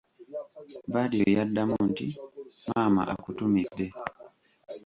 Badru yaddamu nti:"maama akutumidde"